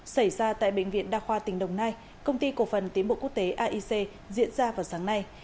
xảy ra tại bệnh viện đa khoa tỉnh đồng nai công ty cổ phần tiến bộ quốc tế aic diễn ra vào sáng nay